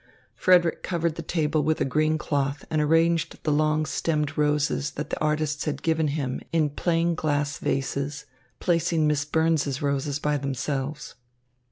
Frederick covered the table with a green cloth and arranged the long stemmed roses that the artists had given him in plain glass vases, placing Miss Burns's roses by themselves.